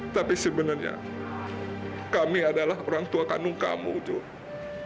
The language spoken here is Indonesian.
tapi sebenarnya kami adalah orangtuakanmu jules